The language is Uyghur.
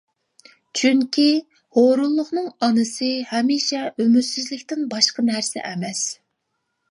چۈنكى، ھۇرۇنلۇقنىڭ ئانىسى ھەمىشە ئۈمىدسىزلىكتىن باشقا نەرسە ئەمەس.